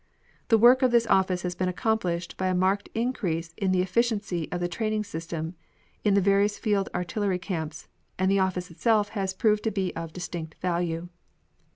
The work of this office has been accompanied by a marked increase in the efficiency of the training system in the various Field Artillery camps, and the office itself has proved to be of distinct value.